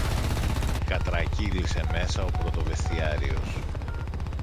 κατρακύλησε μέσα ο πρωτοβεστιάριος.